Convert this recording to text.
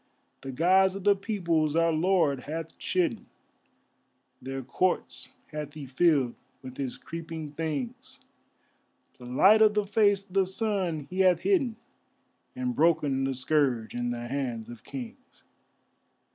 The Gods of the Peoples our Lord hath chidden, Their courts hath He filled with His creeping things; The light of the face of the Sun he hath hidden, And broken the scourge in the hands of kings.